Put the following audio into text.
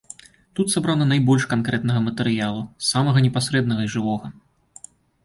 Тут сабрана найбольш канкрэтнага матэрыялу, самага непасрэднага і жывога.